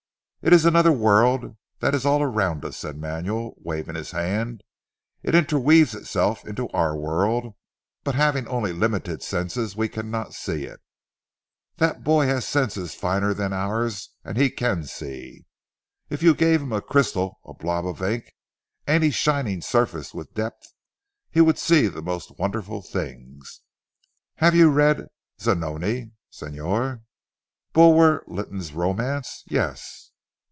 "It is another world that is all around us," said Manuel waving his hand, "it interweaves itself into our world but having only limited senses we cannot see it. That boy has senses finer than ours and he can see. If you gave him a crystal, a blob of ink, any shining surface with depth, he would see the most wonderful things. Have you read Zanoni, Señor?" "Bulwer Lytton's romance? Yes."